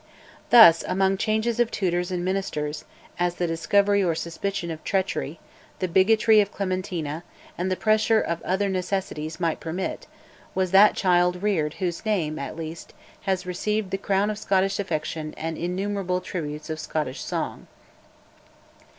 Thus, among changes of tutors and ministers, as the discovery or suspicion of treachery, the bigotry of Clementina, and the pressure of other necessities might permit, was that child reared whose name, at least, has received the crown of Scottish affection and innumerable tributes of Scottish song.